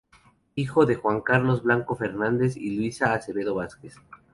Hijo de Juan Carlos Blanco Fernández y de Luisa Acevedo Vásquez.